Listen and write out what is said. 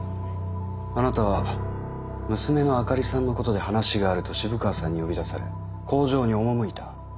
あなたは娘の灯里さんのことで話があると渋川さんに呼び出され工場に赴いた。